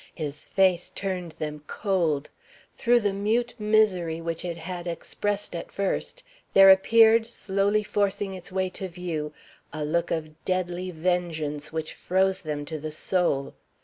His face turned them cold. Through the mute misery which it had expressed at first, there appeared, slowly forcing its way to view, a look of deadly vengeance which froze them to the soul.